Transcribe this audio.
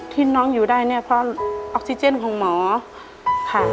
ที่น้องอยู่ได้เนี่ยเพราะออกซิเจนของหมอค่ะ